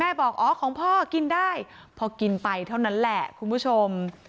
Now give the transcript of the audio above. บอกอ๋อของพ่อกินได้พอกินไปเท่านั้นแหละคุณผู้ชม